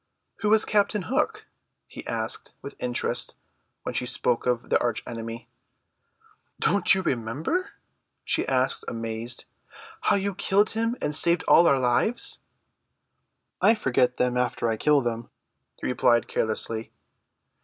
"Who is Captain Hook?" he asked with interest when she spoke of the arch enemy. "Don't you remember," she asked, amazed, "how you killed him and saved all our lives?" "I forget them after I kill them," he replied carelessly.